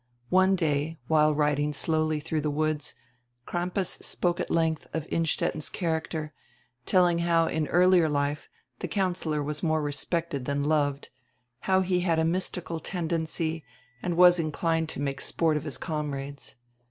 One day, while riding slowly through die woods, Crampas spoke at lengdi of Innstetten' s character, telling how in earlier life die councillor was more respected than loved, how he had a mystical tendency and was in clined to make sport of his comrades.